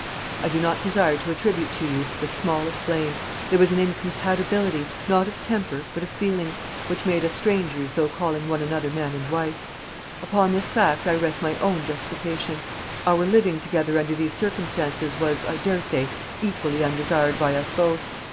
I do not desire to attribute to you the smallest blame. There was an incompatibility, not of temper but of feelings, which made us strangers though calling one another man and wife. Upon this fact I rest my own justification; our living together under these circumstances was, I dare say, equally undesired by us both.